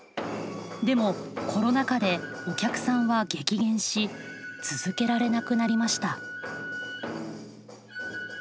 でもコロナ禍でお客さんは激減し続けられなくなりました。